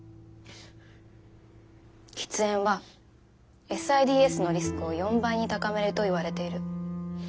喫煙はＳＩＤＳのリスクを４倍に高めるといわれている。